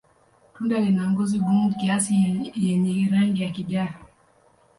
Tunda lina ngozi gumu kiasi yenye rangi ya kijani.